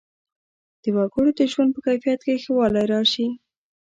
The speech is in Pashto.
د وګړو د ژوند په کیفیت کې ښه والی راشي.